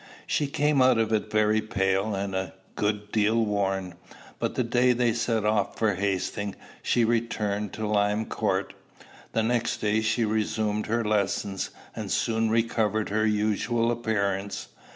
She came out of it very pale, and a good deal worn. But the day they set off for Hastings, she returned to Lime Court. The next day she resumed her lessons, and soon recovered her usual appearance.